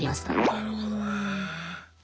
なるほどな。